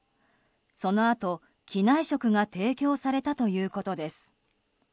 そのあと、機内食が提供されたということです。